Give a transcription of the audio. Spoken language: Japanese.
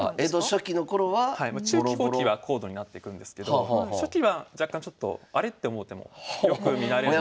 中期後期は高度になっていくんですけど初期は若干ちょっとあれ？って思う手もよく見られるんで。